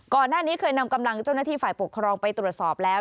ก่อนหน้านี้เคยนำกำลังเจ้าหน้าที่ฝ่ายปกครองไปตรวจสอบแล้ว